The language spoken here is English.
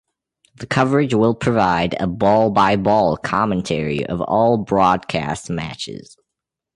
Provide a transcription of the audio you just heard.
The coverage will provide a ball-by-ball commentary of all broadcast matches.